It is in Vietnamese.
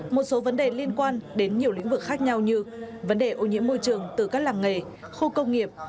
một số vấn đề liên quan đến nhiều lĩnh vực khác nhau như vấn đề ô nhiễm môi trường từ các làng nghề khu công nghiệp